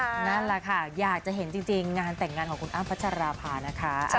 นั่นแหละค่ะอยากจะเห็นจริงงานแต่งงานของคุณอ้ำพัชราภานะคะ